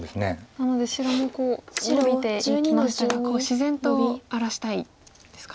なので白もノビていきましたが自然と荒らしたいですか。